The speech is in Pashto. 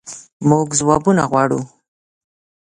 مونږ ځوابونه غواړو